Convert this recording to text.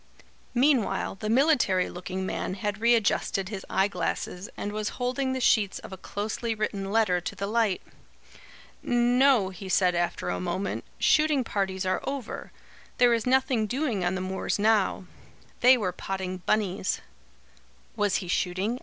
Meanwhile the military looking man had readjusted his eye glasses and was holding the sheets of a closely written letter to the light. "No," he said after a moment, "shooting parties are over. There is nothing doing on the moors now. They were potting bunnies." "Was he shooting?"